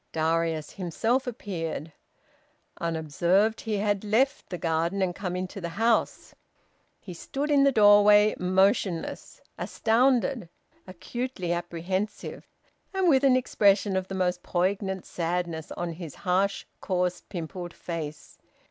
Darius himself appeared. Unobserved, he had left the garden and come into the house. He stood in the doorway, motionless, astounded, acutely apprehensive, and with an expression of the most poignant sadness on his harsh, coarse, pimpled face.